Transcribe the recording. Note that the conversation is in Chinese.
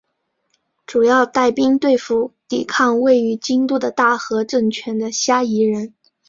主要带兵对付抵抗位于京都的大和政权的虾夷人。